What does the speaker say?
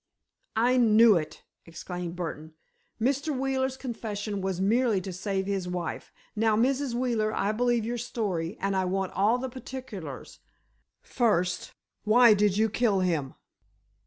"I knew it!" exclaimed Burdon. "Mr. Wheeler's confession was merely to save his wife. Now, Mrs. Wheeler, I believe your story, and I want all the particulars. First, why did you kill him?"